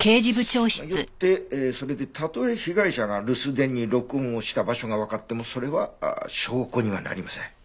まあよってそれでたとえ被害者が留守電に録音をした場所がわかってもそれは証拠にはなりません。